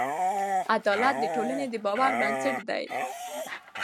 عدالت د ټولنې د باور بنسټ دی.